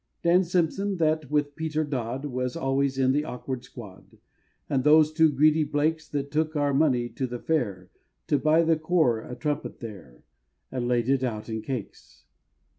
Dan Simpson, that, with Peter Dodd, Was always in the awkward squad, And those two greedy Blakes That took our money to the fair, To buy the corps a trumpet there, And laid it out in cakes.